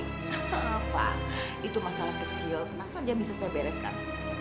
apa itu masalah kecil tenang saja bisa saya bereskan